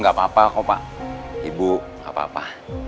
gak apa apa kok pak ibu gak apa apa